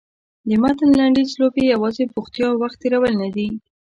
د متن لنډیز لوبې یوازې بوختیا او وخت تېرول نه دي.